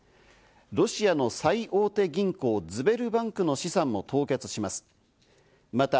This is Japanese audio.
ロシアの最大手銀行ズベルバンクの資産も凍結します。